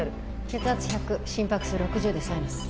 血圧１００心拍数６０でサイナス。